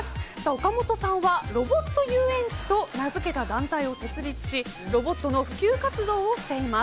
岡本さんはロボットゆうえんちと名付けた団体を設立しロボットの普及活動をしています。